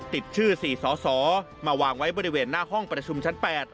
ติดชื่อ๔สสมาวางไว้บริเวณหน้าห้องประชุมชั้น๘